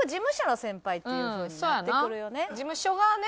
事務所がね